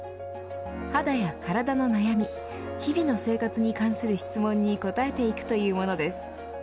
肌や体の悩み日々の生活に関する質問に答えていくというものです。